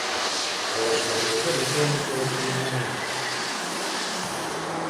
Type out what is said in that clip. Os correos electrónicos ían a menos.